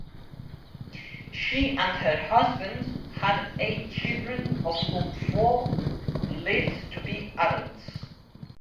She and her husband had eight children of whom four lived to be adults.